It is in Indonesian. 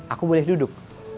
aku boleh duduk